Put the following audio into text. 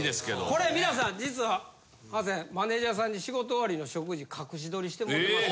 これ皆さん実はハセンマネジャーさんに仕事終わりの食事隠し撮りしてもうてます。